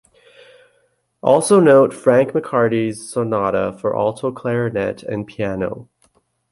Also note Frank McCartey's Sonata for alto clarinet and piano.